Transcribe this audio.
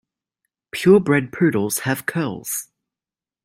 Pure bred poodles have curls.